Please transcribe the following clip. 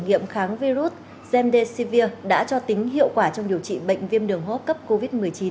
thử nghiệm kháng virus zemdesivir đã cho tính hiệu quả trong điều trị bệnh viêm đường hốp cấp covid một mươi chín